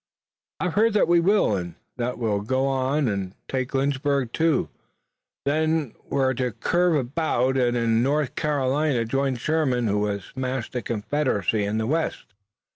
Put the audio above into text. "I've heard that we will, and that we'll go on and take Lynchburg too. Then we're to curve about and in North Carolina join Sherman who has smashed the Confederacy in the west."